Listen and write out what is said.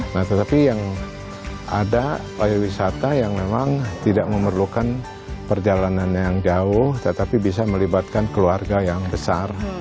nah tetapi yang ada pariwisata yang memang tidak memerlukan perjalanan yang jauh tetapi bisa melibatkan keluarga yang besar